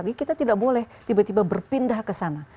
jadi kita tidak boleh tiba tiba berpindah ke sana